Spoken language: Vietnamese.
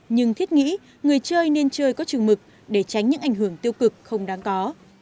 nhưng thiết nghĩ người chơi nên chơi có trừng mực để tránh những ảnh hưởng tiêu cực không đáng có